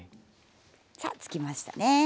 さあつきましたね。